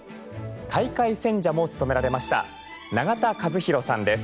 大会選者も務められました永田和宏さんです。